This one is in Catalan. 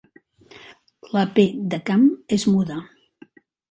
La 'p' de 'camp' és muda.